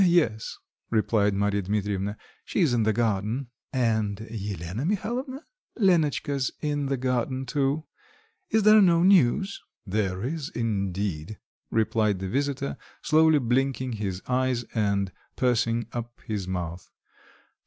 "Yes," replied Marya Dmitrievna, "she's in the garden." "And Elena Mihalovna?" "Lenotchka's in the garden too. Is there no news?" "There is indeed!" replied the visitor, slowly blinking his eyes and pursing up his mouth.